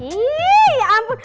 hii ya ampun